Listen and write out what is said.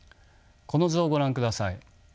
この図をご覧ください。